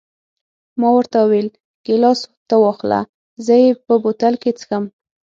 ما ورته وویل: ګیلاس ته واخله، زه یې په بوتل کې څښم.